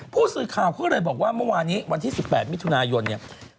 ผู้สื่อข่าวเขาเลยบอกว่าเมื่อวานี้วันที่๑๘มิถุนายนเนี่ย